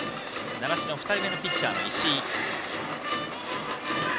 習志野２人目のピッチャーが石井。